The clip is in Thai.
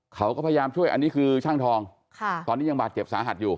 เขาก็พยายามช่วยอันนี้คือช่างทองตอนนี้ยังบาดเจ็บสาหัสอยู่